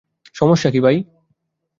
সমস্যা কী, ভাই?